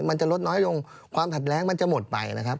มันจะลดน้อยลงความขัดแย้งมันจะหมดไปนะครับ